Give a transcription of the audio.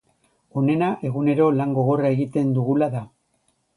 Onena, egunero lan gogorra egiten dugula da.